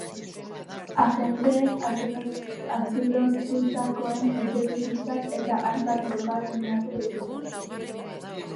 Agenteek atxilotutakoen etxebizitzak eta hainbat lokal miatu dituzte.